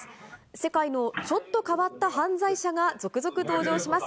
世界のちょっと変わった犯罪者が続々登場します。